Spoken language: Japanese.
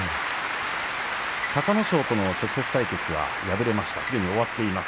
隆の勝との直接対決は敗れました。